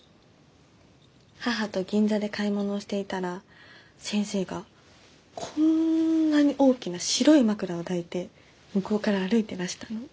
母と銀座で買い物をしていたら先生がこんなに大きな白い枕を抱いて向こうから歩いてらしたの。